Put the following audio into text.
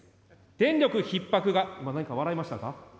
電力ひっ迫が、今、何か笑いましたか。